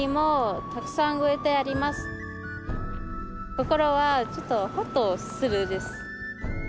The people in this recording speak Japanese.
心はちょっとホッとするです。